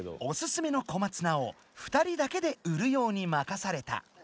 おすすめの小松菜を２人だけで売るように任された。